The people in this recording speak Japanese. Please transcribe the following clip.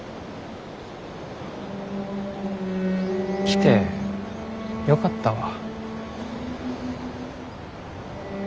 来てよかったわ。